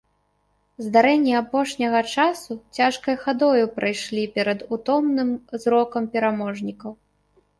Здарэнні апошняга часу цяжкай хадою прайшлі перад утомным зрокам пераможнікаў.